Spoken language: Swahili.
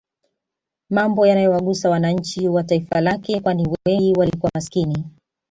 Mambo yanayowagusa wananchi wa taifa lake kwani wengi walikuwa maskini